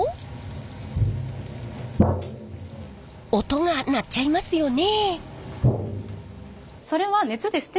音が鳴っちゃいますよね。